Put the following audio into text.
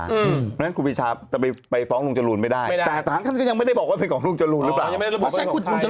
เพราะฉะนั้นครูปีชาจะไปฟ้องลุงจรูนไม่ได้แต่สารท่านก็ยังไม่ได้บอกว่าเป็นของลุงจรูนหรือเปล่า